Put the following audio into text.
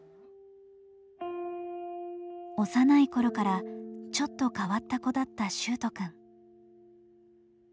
幼い頃から「ちょっと変わった子」だった秀斗くん。